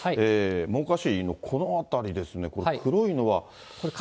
真岡市のこの辺りですね、これ、黒いのは。